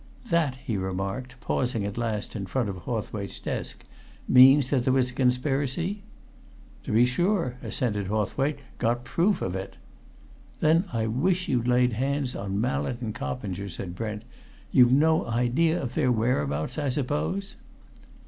"That," he remarked, pausing at last in front of Hawthwaite's desk, "means that there was a conspiracy?" "To be sure!" assented Hawthwaite. "Got proof of it!" "Then I wish you'd laid hands on Mallett and Coppinger," said Brent. "You've no idea of their whereabouts, I suppose?"